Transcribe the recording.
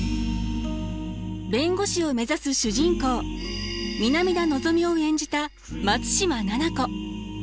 弁護士を目指す主人公南田のぞみを演じた松嶋菜々子。